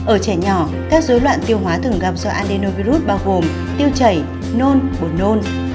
ở trẻ nhỏ các dối loạn tiêu hóa thường gặp do adenovirus bao gồm tiêu chảy nôn bột nôn